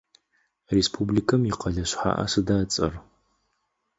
Республикэм икъэлэ шъхьаӏэ сыда ыцӏэр?